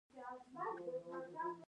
ګاز د افغانستان د ښاري پراختیا سبب کېږي.